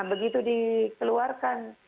nah itu dikeluarkan